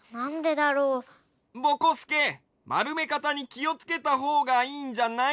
ぼこすけまるめかたにきをつけたほうがいいんじゃない？